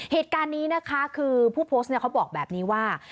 เหตุการณ์นี้นะคะคือผู้โพสต์เขาบอกแบบนี้ว่า